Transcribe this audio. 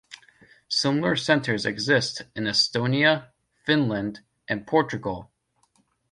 Similar centers exist in Estonia, Finland, and Portugal.